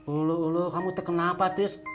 ulu ulu kamu kenapa tis